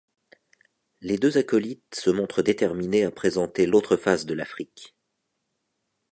Les deux acolytes se montrent déterminés à présenter l'autre face de l'Afrique.